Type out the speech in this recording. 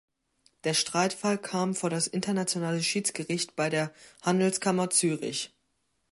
Der Streitfall kam vor das Internationale Schiedsgericht bei der Handelskammer Zürich.